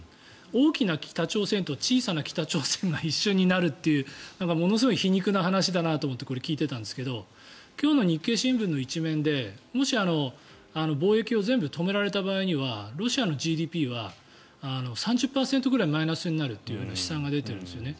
大きな北朝鮮と小さな北朝鮮が一緒になるというものすごい皮肉な話だなと思って聞いていたんですけど今日の日経新聞の１面でもし貿易を全部止められた場合にはロシアのＧＤＰは３０％ぐらいマイナスになるという試算が出てるんですね。